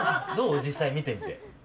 実際見てみて。